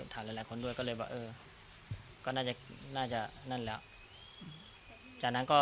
หลายคนด้วยก็เลยว่าเออก็น่าจะน่าจะนั่นแล้วจากนั้นก็